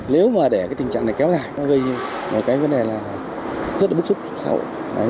nếu mà để cái tình trạng này kéo dài nó gây ra một cái vấn đề rất là bức xúc xã hội